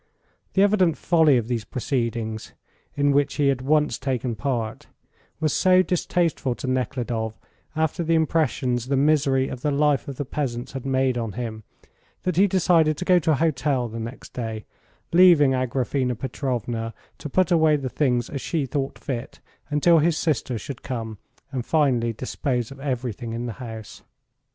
The evident folly of these proceedings, in which he had once taken part, was so distasteful to Nekhludoff after the impressions the misery of the life of the peasants had made on him, that he decided to go to a hotel the next day, leaving Agraphena Petrovna to put away the things as she thought fit until his sister should come and finally dispose of everything in the house.